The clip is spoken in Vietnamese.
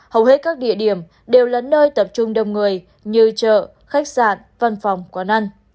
hầu hết các địa điểm đều là nơi tập trung đông người như chợ khách sạn văn phòng quán ăn